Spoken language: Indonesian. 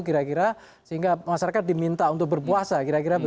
kata kata prasadi ini untuk per clerk kamu